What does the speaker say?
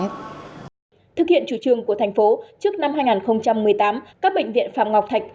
thực hiện chủ trương của thành phố trước năm hai nghìn một mươi tám các bệnh viện phạm ngọc thạch